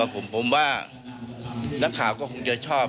ผมว่านักข่าวก็คงจะชอบ